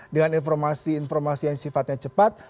dengan informasi informasi yang sifatnya cepat